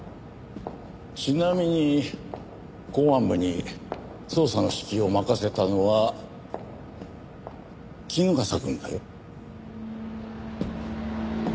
ちなみに公安部に捜査の指揮を任せたのは衣笠くんだよ。